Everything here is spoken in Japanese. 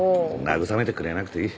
慰めてくれなくていい。